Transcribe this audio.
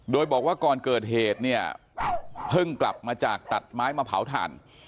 โดยบอกว่าก่อนเกิดเหตุเนี่ยเพิ่งกลับมาจากตัดไม้มาเผาถ่าน